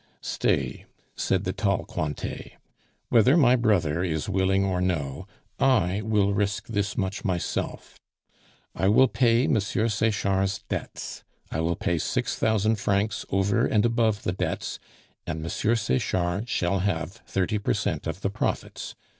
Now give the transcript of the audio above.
"Stay," said the tall Cointet, "whether my brother is willing or no, I will risk this much myself. I will pay M. Sechard's debts, I will pay six thousand francs over and above the debts, and M. Sechard shall have thirty per cent of the profits.